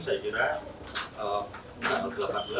saya kira tanggal delapan belas dan kemudian tanggal sembilan belas